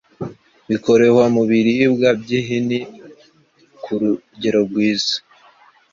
bikorehwa mubiribwa byinhi Kurugerorwiza